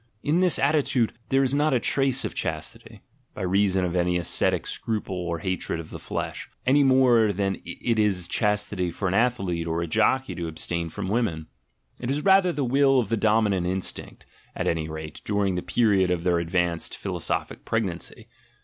In this attitude there is not a trace of chastity, by reason of any ascetic scruple or hatred of the flesh, any more than it is chastity for an athlete or a jockey to abstain from women; it is rather the will of the dominant instinct, at any rate, during the period of their advanced philosophic pregnancy.